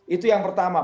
itu yang pertama